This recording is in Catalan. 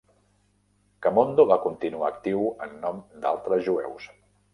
Camondo va continuar actiu en nom d'altres jueus.